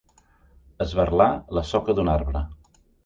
Esberlar la soca d'un arbre.